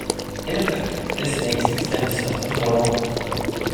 In effect this makes stem cells immortal.